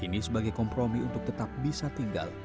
ini sebagai kompromi untuk tetap bisa tinggal